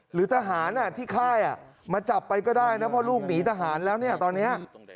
หรือทหารที่ค่ายมาจับไปก็ได้นะเพราะลูกหนีทหารแล้วเนี่ยตอนนี้